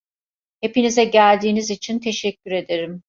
Hepinize geldiğiniz için teşekkür ederim.